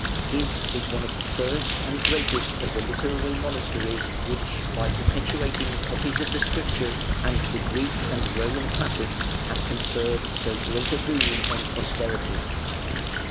His was one of the first and greatest of the literary monasteries which, by perpetuating copies of the Scriptures, and the Greek and Roman classics, have conferred so great a boon on posterity.